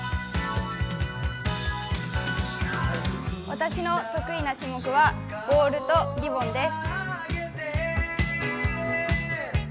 私の得意な種目はボールとリボンです。